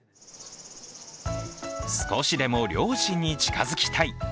少しでも両親に近づきたい。